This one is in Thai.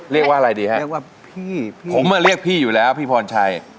เรียกว่าอะไรดีครับพี่ผมก็เรียกพี่อยู่แล้วพี่ป้อนชัย